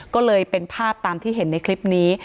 ก็เลยเป็นภาพตามที่เห็นในคลิปนี้